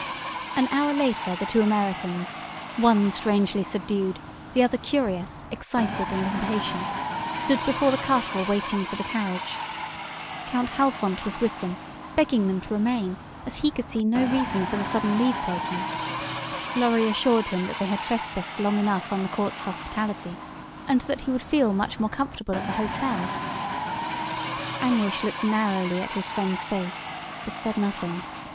An hour later the two Americans, one strangely subdued, the other curious, excited and impatient, stood before the castle waiting for the carriage. Count Halfont was with them, begging them to remain, as he could see no reason for the sudden leave taking. Lorry assured him that they had trespassed long enough on the Court's hospitality, and that he would feel much more comfortable at the hotel. Anguish looked narrowly at his friend's face, but said nothing.